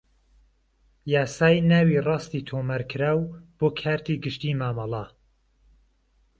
یاسای ناوی_ڕاستی تۆمارکراو بۆ کارتی گشتی مامەڵە